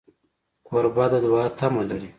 کوربه د دوعا تمه لري.